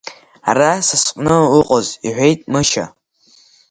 Ара са сҟны уҟаз, — иҳәеит Мышьа.